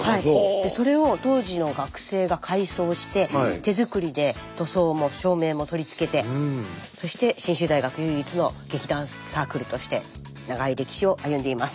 それを当時の学生が改装して手作りで塗装も照明も取り付けてそして信州大学唯一の劇団サークルとして長い歴史を歩んでいます。